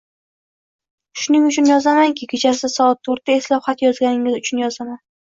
Shuning uchun yozamanki, kechasi soat to’rtda eslab xat yozganing uchun yozaman